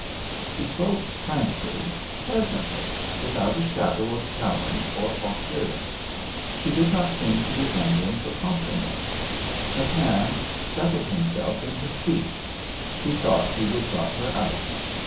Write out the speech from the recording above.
She spoke frankly, pleasantly, without a shadow of challenge or hauteur. She did not seem to be angling for compliments. McKann settled himself in his seat. He thought he would try her out.